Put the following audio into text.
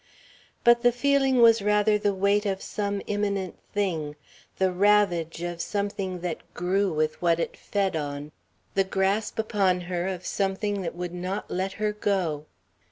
But the feeling was rather the weight of some imminent thing, the ravage of something that grew with what it fed on, the grasp upon her of something that would not let her go....